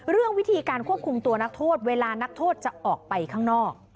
วิธีการควบคุมตัวนักโทษเวลานักโทษจะออกไปข้างนอก